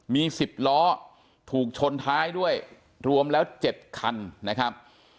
มี๑๐ล้อถูกชนท้ายด้วยรวมแล้ว๗คันนะครับ